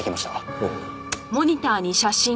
おう。